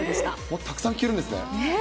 もうたくさん聞けるんですね。